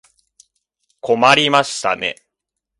困りましたね。